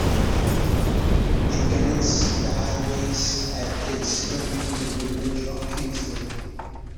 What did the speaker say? It connects the highways at its termini with the village of Kingsley.